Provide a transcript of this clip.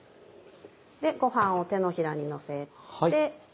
ご飯を手のひらにのせて。